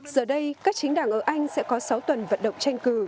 giờ đây các chính đảng ở anh sẽ có sáu tuần vận động tranh cử